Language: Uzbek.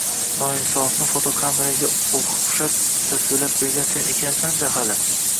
noinsofni fotokameraga o`xshab tasvirlab bergan sen ekansan-da hali